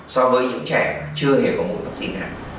so với những trẻ chưa hề có mỗi vắc xin